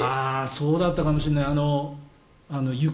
そうだったかもしれない。